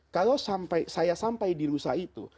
kalau saya sampai di rusa itu